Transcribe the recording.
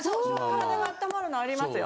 体があったまるのありますよ。